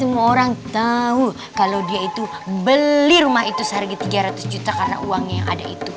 semua orang tahu kalau dia itu beli rumah itu seharga tiga ratus juta karena uangnya yang ada itu